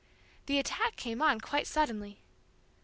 The attack came on quite suddenly.